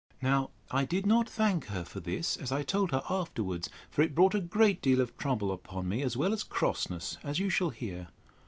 Now I did not thank her for this, as I told her afterwards, (for it brought a great deal of trouble upon me, as well as crossness, as you shall hear).